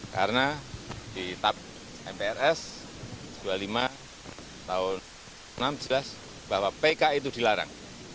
karena di tap mprs dua puluh lima tahun dua ribu enam jelas bahwa pki itu dilarang